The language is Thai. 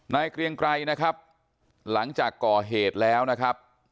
เกรียงไกรนะครับหลังจากก่อเหตุแล้วนะครับ